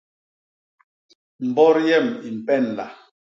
Mbot yem i mpenla.